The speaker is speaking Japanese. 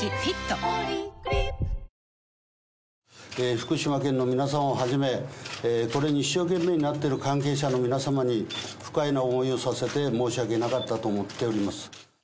福島県の皆様をはじめ、これに一生懸命になっている関係者の皆様に、不快な思いをさせて申し訳なかったと思っております。